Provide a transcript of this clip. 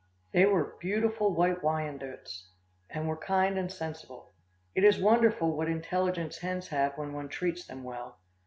They were beautiful white Wyandottes, and were kind and sensible. It is wonderful what intelligence hens have when one treats them well.